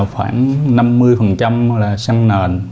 khoảng năm mươi là xăng nền